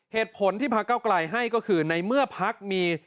เหตุผลที่ภักดิ์เก้าไกลให้ก็คือในเมื่อภักดิ์มี